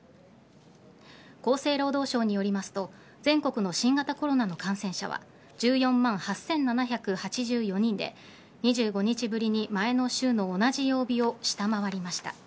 厚生労働省によりますと全国の新型コロナの感染者は１４万８７８４人で２５日ぶりに前の週の同じ曜日を下回りました。